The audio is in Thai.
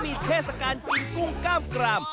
ที่นี่เขามีเทศกาลกินกุ้งก้ามกราม